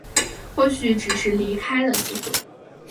或许只是离开的机会